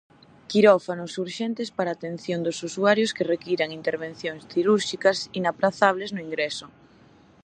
Quirófanos urxentes para a atención dos usuarios que requiran intervencións cirúrxicas inaprazables no ingreso.